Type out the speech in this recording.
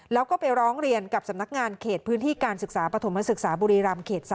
แล้วก็ไปร้องเรียนกับสำนักงานเขตพื้นที่การศึกษาปฐมศึกษาบุรีรำเขต๓